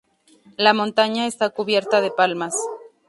La montaña está cubierta de palmas.